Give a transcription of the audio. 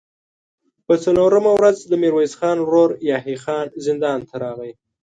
په څلورمه ورځ د ميرويس خان ورو يحيی خان زندان ته راغی.